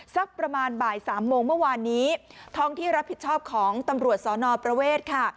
สักประมาณบ่ายสามโมงเมื่อวานนี้ท้องที่รับผิดชอบของตำรวจสอนอประเวทค่ะ